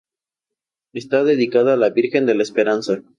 Está dedicada a la Virgen de la Esperanza.